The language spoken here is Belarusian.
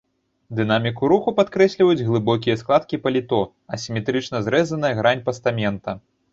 Дынаміку руху падкрэсліваюць глыбокія складкі паліто, асіметрычна зрэзаная грань пастамента.